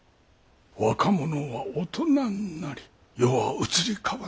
若者は大人になり世は移り変わっていきます。